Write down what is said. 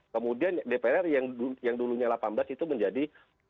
kemudian dpr yang dulunya delapan belas itu menjadi dua puluh enam